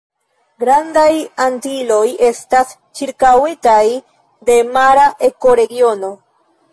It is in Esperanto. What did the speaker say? Grandaj Antiloj estas ĉirkaŭitaj de mara ekoregiono.